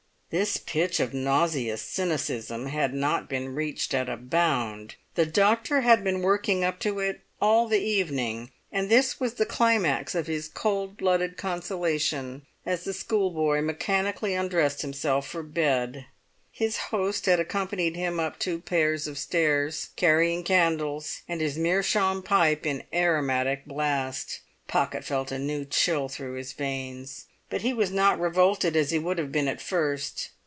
This pitch of nauseous cynicism had not been reached at a bound; the doctor had been working up to it all the evening, and this was the climax of his cold blooded consolation as the schoolboy mechanically undressed himself for bed. His host had accompanied him up two pairs of stairs, carrying candles, and his meerschaum pipe in aromatic blast. Pocket felt a new chill through his veins, but he was not revolted as he would have been at first.